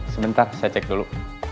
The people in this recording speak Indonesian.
sebentar saya cek dulu